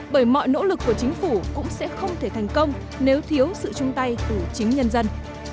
bởi mọi nỗ lực của chính phủ cũng sẽ không thể thành công nếu thiếu sự chung tay của chính nhân dân